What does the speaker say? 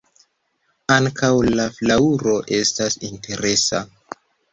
Ankaŭ la flaŭro estas interesa.